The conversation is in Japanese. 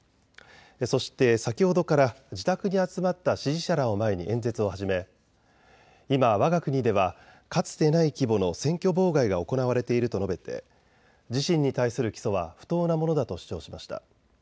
そして先ほどから自宅に集まった支持者らを前に演説を始め今、わが国ではかつてない規模の選挙妨害が行われていると述べて自身に対する起訴は不当なものだと主張しました。